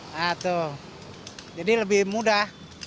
nah tuh jadi lebih mudah